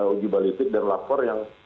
uji balistik dan lapor yang